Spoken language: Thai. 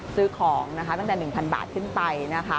ซื้อของตั้งแต่๑๐๐๐บาทขึ้นไป